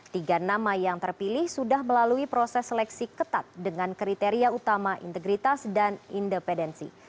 tiga nama yang terpilih sudah melalui proses seleksi ketat dengan kriteria utama integritas dan independensi